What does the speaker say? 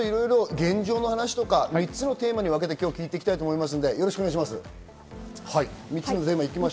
現状の話とか３つのテーマに分けて聞いていきたいと思いますのでお願いします。